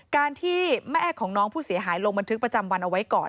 การที่แม่ของน้องผู้เสียหายลงบันทึกประจำวันเอาไว้ก่อน